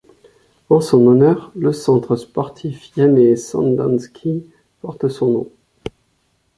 En son honneur, le Centre sportif Yané Sandanski porte son nom.